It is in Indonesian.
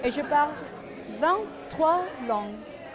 saya berbicara dua puluh tiga tahun